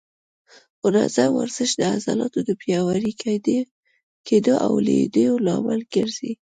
منظم ورزش د عضلاتو د پیاوړي کېدو او لویېدو لامل ګرځي.